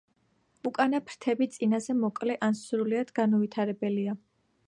უკანა ფრთები წინაზე მოკლე ან სრულიად განუვითარებელია.